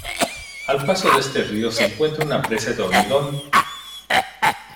Al paso de este río se encuentra una presa de hormigón.